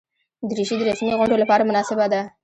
دریشي د رسمي غونډو لپاره مناسبه ده.